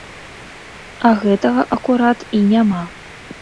А гэтага акурат і няма.